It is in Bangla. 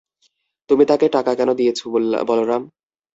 তুমি তাকে টাকা কেন দিয়েছ, বলরাম?